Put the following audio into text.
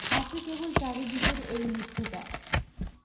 আছে কেবল চারি দিকের এই মিথ্যেটা!